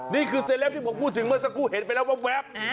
นี่คือเซลปที่ผมพูดถึงเมื่อสักครู่เห็นไปแล้วแว๊บ